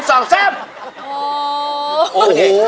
โอ้โห